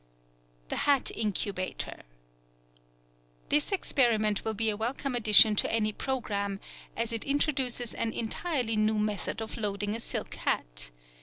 The Hat Incubator.—This experiment will be a welcome addition to any programme, as it introduces an entirely new method of loading a silk hat.